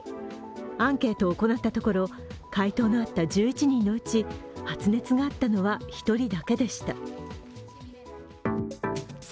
アンケートを行ったところ回答のあった１１人のうち発熱があったのは１人だけでしたる